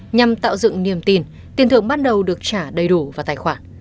nhằm tạo dựng niềm tin tiền thưởng bắt đầu được trả đầy đủ vào tài khoản